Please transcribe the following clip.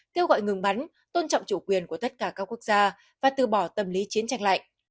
kêu gọi ngừng bắn tôn trọng chủ quyền của tất cả các quốc gia và từ bỏ tâm lý chiến tranh lạnh